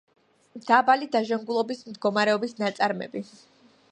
დაბალი დაჟანგულობის მდგომარეობის ნაწარმები.